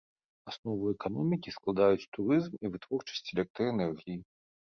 Аснову эканомікі складаюць турызм і вытворчасць электраэнергіі.